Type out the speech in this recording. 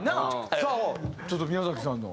さあちょっと宮崎さんの。